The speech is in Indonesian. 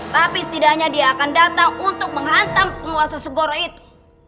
tapi setidaknya dia akan datang untuk menghantam penguasa segoro itu